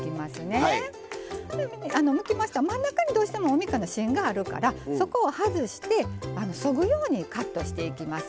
でむきましたら真ん中にどうしてもおみかんの芯があるからそこを外してそぐようにカットしていきます。